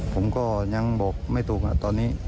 ผมก็ยังบอกไม่ถูกตอนนี้